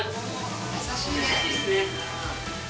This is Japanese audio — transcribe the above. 優しいな。